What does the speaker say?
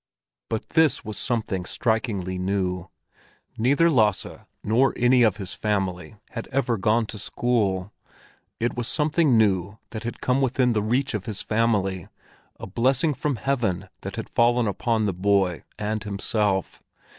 But this was something strikingly new. Neither Lasse nor any of his family had ever gone to school; it was something new that had come within the reach of his family, a blessing from Heaven that had fallen upon the boy and himself.